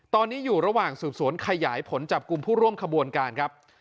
ตอนนี้อยู่ระหว่างสืบสวนขยายผลจับกลุ่มผู้ร่วมขบวนการครับ